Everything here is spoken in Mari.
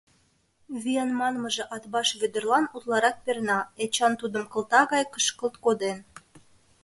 Виян манмыже Атбаш Вӧдырлан утларак перна. Эчан тудым кылта гай кышкылт коден.